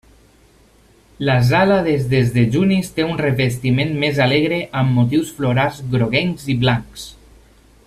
La sala dels desdejunis té un revestiment més alegre, amb motius florals groguencs i blancs.